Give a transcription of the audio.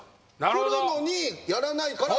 くるのにやらないから。